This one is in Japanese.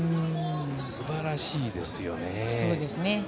すばらしいですよね。